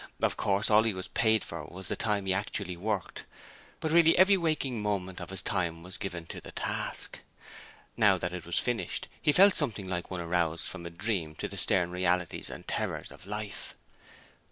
Of course, all he was paid for was the time he actually worked, but really every waking moment of his time was given to the task. Now that it was finished he felt something like one aroused from a dream to the stern realities and terrors of life.